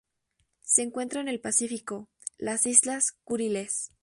Se encuentra en el Pacífico: las Islas Kuriles.